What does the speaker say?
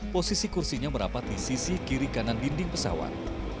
posisi kursinya merapat di sisi kiri kanan dinding pesawat